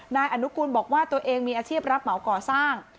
นายอนุกูลบอกว่าตัวเองมีอาชีพรับเหมาก่อสร้าง